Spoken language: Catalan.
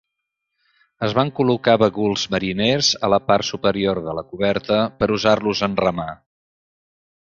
Es van col·locar baguls mariners a la part superior de la coberta per usar-los en remar.